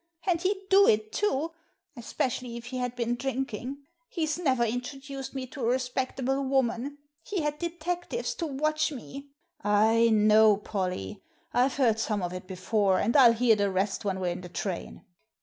And he'd do it too, especially if he had been drinking. He's never introduced me to a respectable woman. Hfe had detectives to watch me " ••I know, Polly. I've heard some of it before and I'll hear the rest when we're in the train."